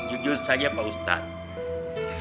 jujur saja pak ustadz